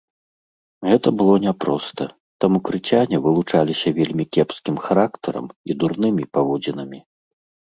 Гэта было няпроста, таму крыцяне вылучаліся вельмі кепскім характарам і дурнымі паводзінамі.